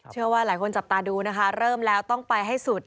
เชื่อว่าหลายคนจับตาดูนะคะเริ่มแล้วต้องไปให้สุด